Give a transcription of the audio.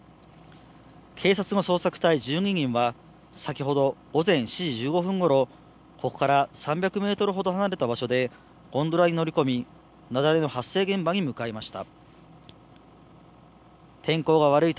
警察の捜索隊１２人は、先ほど午前７時１５分ごろ、ここから３００メートルほど離れた場所でゴンドラに乗り込み、雪崩の発生現場に向かいました。